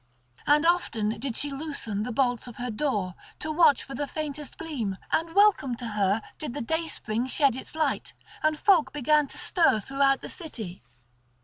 And often did she loosen the bolts of her door, to watch for the faint gleam: and welcome to her did the dayspring shed its light, and folk began to stir throughout the city.